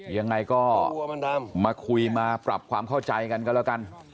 ยังไงก็มาคุยมาปรับความเข้าใจกันก็แล้วกัน